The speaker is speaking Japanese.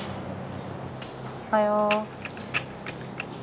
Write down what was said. おはよう。